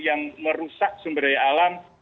yang merusak sumber daya alam